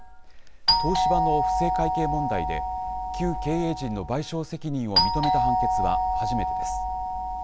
東芝の不正会計問題で旧経営陣の賠償責任を認めた判決は初めてです。